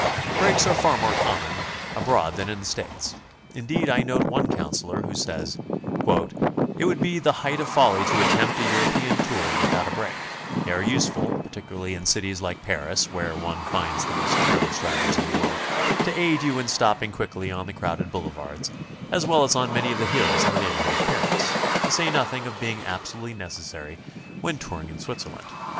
Brakes are far more common abroad than in the States. Indeed, I note one counsellor who says: 'Tt would be the height of folly to attempt a European tour without a brake; they are useful, particularly in cities like Paris (where one finds the most careless drivers in the world) to aid you in stopping quickly on the crowded boulevards, as well as on many of the hills in the neighborhood of Paris, to say noth ing of being absolutely necessary when touring in Switzer land.